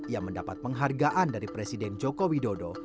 ia mendapat penghargaan dari presiden joko widodo